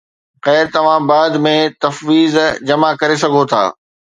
خير، توهان بعد ۾ تفويض جمع ڪري سگهو ٿا